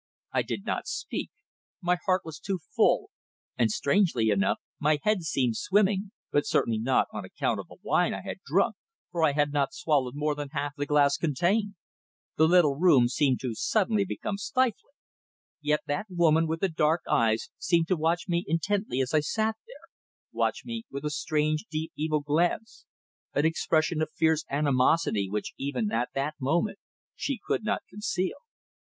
I did not speak. My heart was too full, and strangely enough my head seemed swimming, but certainly not on account of the wine I had drunk, for I had not swallowed more than half the glass contained. The little room seemed to suddenly become stifling. Yet that woman with the dark eyes seemed to watch me intently as I sat there, watch me with a strange, deep, evil glance an expression of fierce animosity which even at that moment she could not conceal.